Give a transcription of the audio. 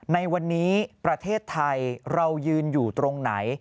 ในวันนี้ประเทศไทยเรายืนอยู่ตรงไหน